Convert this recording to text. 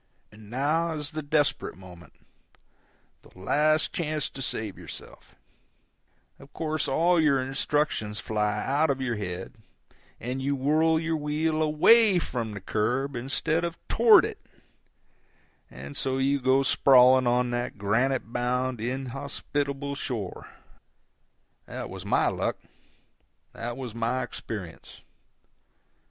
And now is the desperate moment, the last chance to save yourself; of course all your instructions fly out of your head, and you whirl your wheel AWAY from the curb instead of TOWARD it, and so you go sprawling on that granite bound inhospitable shore. That was my luck; that was my experience.